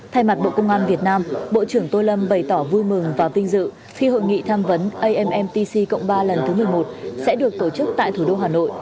thay mặt bộ công an việt nam bộ trưởng tô lâm bày tỏ vui mừng và vinh dự khi hội nghị tham vấn ammtc cộng ba lần thứ một mươi một sẽ được tổ chức tại thủ đô hà nội